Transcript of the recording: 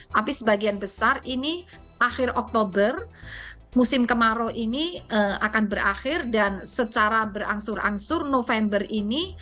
tapi sebagian besar ini akhir oktober musim kemarau ini akan berakhir dan secara berangsur angsur november ini